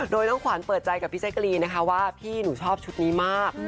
โดยน้องขวัญเปิดใจกับพี่แจ๊กกะรีนนะคะว่าพี่หนูชอบชุดนี้มาก